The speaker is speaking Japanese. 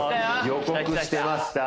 予告してました